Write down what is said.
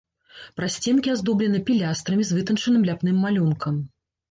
Прасценкі аздоблены пілястрамі з вытанчаным ляпным малюнкам.